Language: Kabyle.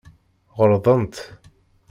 Ɣelḍent.